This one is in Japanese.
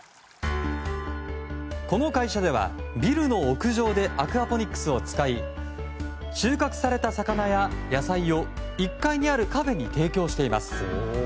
この会社では、ビルの屋上でアクアポニックスを使い収穫された魚や野菜を１階にあるカフェに提供しています。